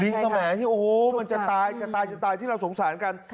สมัยที่โอ้โหมันจะตายจะตายจะตายที่เราสงสารกัน